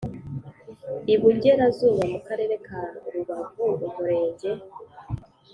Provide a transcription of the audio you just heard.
Ibungerazuba mu Karere ka Rubavu umurenge